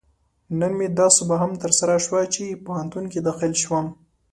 نن مې دا سوبه هم ترسره شوه، چې پوهنتون کې داخل شوم